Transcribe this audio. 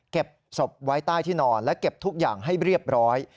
เก็บศพไว้ใต้ที่นอนและเก็บทุกอย่างให้เรียบร้อย